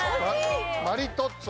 マリトッツォ。